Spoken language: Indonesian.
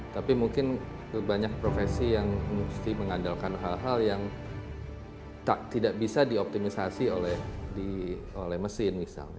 tapi mungkin banyak profesi yang mesti mengandalkan hal hal yang tidak bisa dioptimisasi oleh mesin misalnya